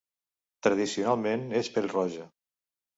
Tradicionalment, és pel-roja.